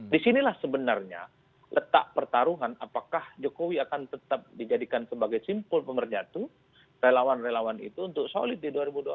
disinilah sebenarnya letak pertaruhan apakah jokowi akan tetap dijadikan sebagai simpul pemerjatuh relawan relawan itu untuk solid di dua ribu dua puluh